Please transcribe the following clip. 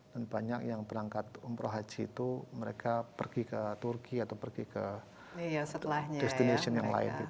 dan banyak yang berangkat umroh haji itu mereka pergi ke turki atau pergi ke destination yang lain